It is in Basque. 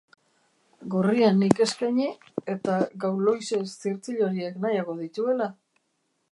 Gorria nik eskaini, eta Gauloises zirtzil horiek nahiago dituela.